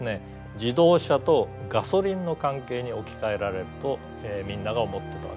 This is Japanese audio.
自動車とガソリンの関係に置き換えられるとみんなが思ってたわけですね。